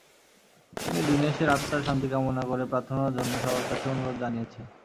তিনি দীনেশের আত্মার শান্তি কামনা করে প্রার্থনার জন্য সবার কাছে অনুরোধ জানিয়েছেন।